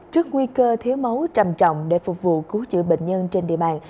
trước nguy cơ thiếu máu trầm trọng để phục vụ cứu chữa bệnh nhân trên địa bàn